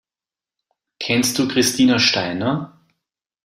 Kennst du Christina Steiner?